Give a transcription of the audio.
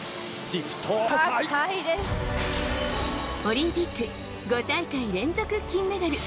オリンピック５大会連続金メダル。